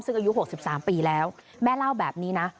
ซึ่งอายุ๖๓ปีแล้วแม่เล่าแบบนี้นะ